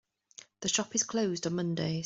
The shop is closed on Mondays.